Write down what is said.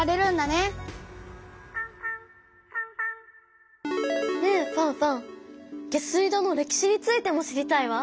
ねえファンファン下水道の歴史についても知りたいわ。